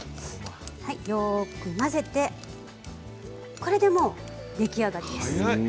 よく混ぜてこれでもう出来上がりです。